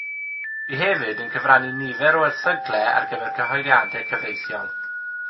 Bu hefyd yn cyfrannu nifer o erthyglau ar gyfer cyhoeddiadau cyfreithiol.